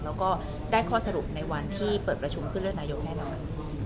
แล้วก็ได้ข้อสรุปในวันที่เปิดประชุมเพื่อเลือกนายุคแห้งน้ำมัน